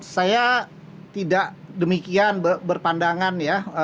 saya tidak demikian berpandangan ya